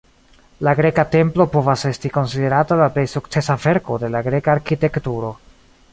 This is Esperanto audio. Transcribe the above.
La greka templo povas esti konsiderata la plej sukcesa verko de la Greka arkitekturo.